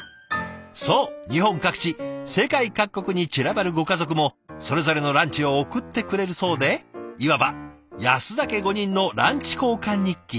そう日本各地世界各国に散らばるご家族もそれぞれのランチを送ってくれるそうでいわば安田家５人のランチ交換日記。